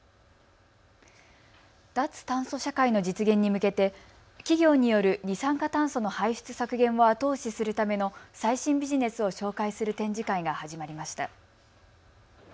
脱炭素社会の実現に向けて企業による二酸化炭素の排出削減を後押しするための最新ビジネスを紹介する展示会が始まりました。